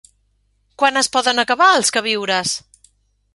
Quan es poden acabar els queviures?